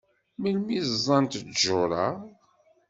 Melmi ẓẓant ttjur-a?